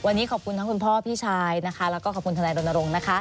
วันนี้ขอบคุณทั้งคุณพ่อพี่ชายนะคะแล้วก็ขอบคุณทนายรณรงค์นะคะ